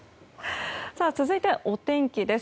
続いてはお天気です。